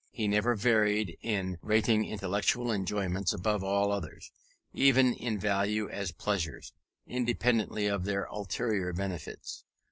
He never varied in rating intellectual enjoyments above all others, even in value as pleasures, independently of their ulterior benefits.